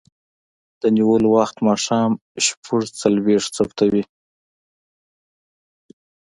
د نیولو وخت ماښام شپږ څلویښت ثبتوي.